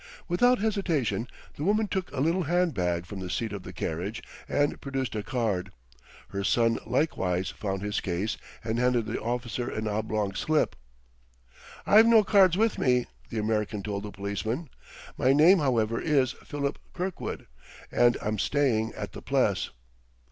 Without hesitation the woman took a little hand bag from the seat of the carriage and produced a card; her son likewise found his case and handed the officer an oblong slip. "I've no cards with me," the American told the policeman; "my name, however, is Philip Kirkwood, and I'm staying at the Pless."